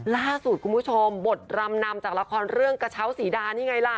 ล่าสุดคุณผู้ชมบทรำนำจากละครเรื่องกระเช้าสีดานี่ไงล่ะ